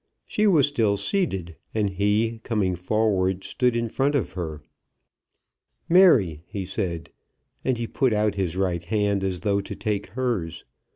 She was still seated, and he, coming forward, stood in front of her. "Mary," he said, and he put out his right hand, as though to take hers.